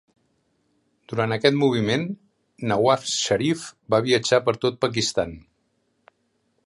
Durant aquest moviment, Nawaz Sharif va viatjar per tot Pakistan.